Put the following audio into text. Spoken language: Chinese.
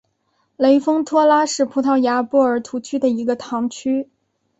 雷丰托拉是葡萄牙波尔图区的一个堂区。